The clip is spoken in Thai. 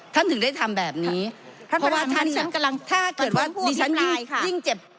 ท่านถึงได้ทำแบบนี้เพราะว่าท่านเนี้ยถ้าเกิดว่านี่ฉันยิ่งยิ่งเจ็บ